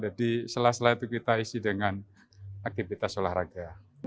jadi selas selas itu kita isi dengan aktivitas olahraga